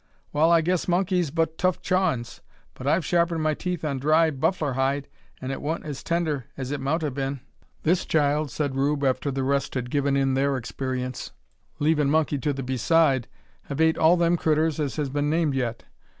"Wal, I guess monkey's but tough chawin's; but I've sharpened my teeth on dry buffler hide, and it wa'n't as tender as it mout 'a been." "This child," said Rube, after the rest had given in their experience, "leavin' monkey to the beside, have ate all them critturs as has been named yet.